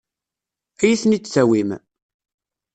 Ad iyi-ten-id-tawim?